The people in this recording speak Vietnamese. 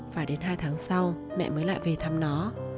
phải đến hai tháng sau mẹ mới lại về thăm nó